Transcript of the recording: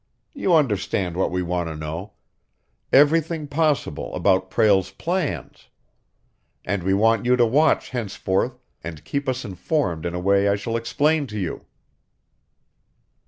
You understand what we want to know everything possible about Prale's plans. And we want you to watch henceforth, and keep us informed in a way I shall explain to you."